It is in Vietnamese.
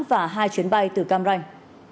và hai chuyến bay từ cam ranh